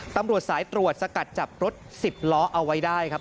ตำรวจสายตรวจสกัดจับรถ๑๐ล้อเอาไว้ได้ครับ